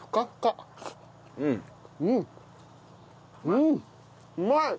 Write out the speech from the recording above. うんうまい！